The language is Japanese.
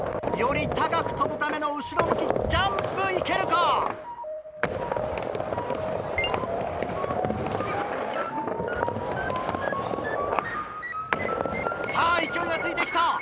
より高く跳ぶための後ろ向きジャンプ行けるか⁉さぁ勢いがついて来た。